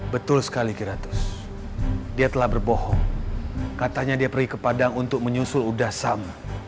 betul sekali kira tuz dia telah berbohong katanya dia pergi ke padang untuk menyusul udah sam